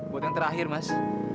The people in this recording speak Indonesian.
buat yang terakhir mas